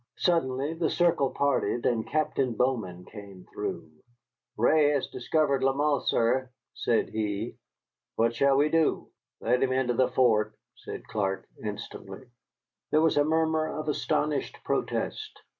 Suddenly the circle parted, and Captain Bowman came through. "Ray has discovered Lamothe, sir," said he. "What shall we do?" "Let him into the fort," said Clark, instantly. There was a murmur of astonished protest.